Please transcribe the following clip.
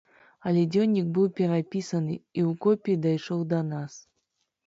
Але дзённік быў перапісаны, і ў копіі дайшоў да нас.